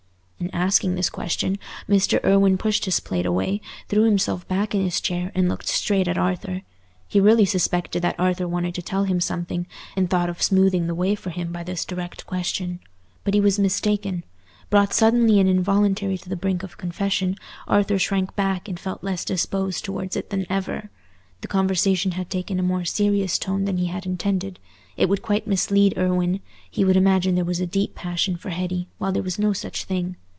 In asking this question, Mr. Irwine pushed his plate away, threw himself back in his chair, and looked straight at Arthur. He really suspected that Arthur wanted to tell him something, and thought of smoothing the way for him by this direct question. But he was mistaken. Brought suddenly and involuntarily to the brink of confession, Arthur shrank back and felt less disposed towards it than ever. The conversation had taken a more serious tone than he had intended—it would quite mislead Irwine—he would imagine there was a deep passion for Hetty, while there was no such thing.